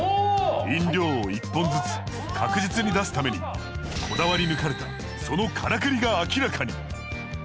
飲料を１本ずつ確実に出すためにこだわり抜かれたそのカラクリが明らかに！